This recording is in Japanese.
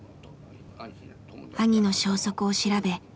兄の消息を調べ